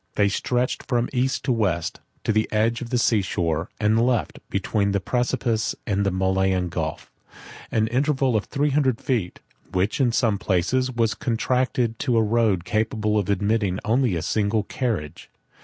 They stretched from east to west, to the edge of the sea shore; and left, between the precipice and the Malian Gulf, an interval of three hundred feet, which, in some places, was contracted to a road capable of admitting only a single carriage.